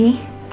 pernah nggak tau